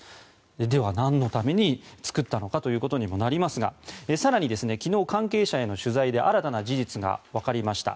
では、なんのために作ったのかということにもなりますが更に昨日、関係者への取材で新たな事実がわかりました。